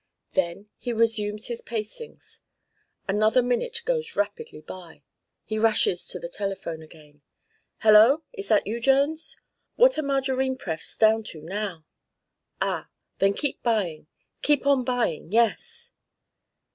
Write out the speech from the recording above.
Then he resumes his pacings. Another minute goes rapidly by. He rushes to the telephone again. "Hallo! Is that you, Jones?... What are Margarine Prefs. down to now?... Ah! Then buy. Keep on buying.... Yes."